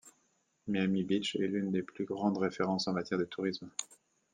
Miami Beach est l'une des plus grandes références en matière de tourisme.